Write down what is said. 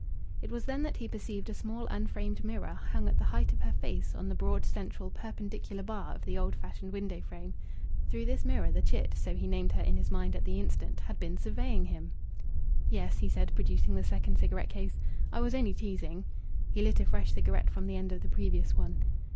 It was then that he perceived a small unframed mirror, hung at the height of her face on the broad, central, perpendicular bar of the old fashioned window frame. Through this mirror the chit so he named her in his mind at the instant had been surveying him! "Yes," he said, producing the second cigarette case, "I was only teasing." He lit a fresh cigarette from the end of the previous one.